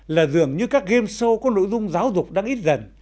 là dường như các game show có nội dung giáo dục đang ít dần